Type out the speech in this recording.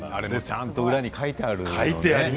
ちゃんと裏に書いてあるのね。